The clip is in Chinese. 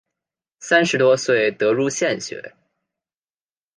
三十多岁得入县学。